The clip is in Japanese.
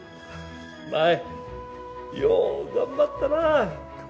舞、よう頑張ったな。